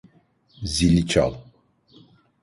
Zili çal.